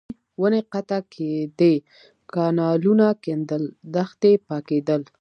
ونې قطع کېدې، کانالونه کېندل، دښتې پاکېدل.